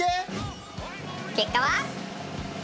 結果は？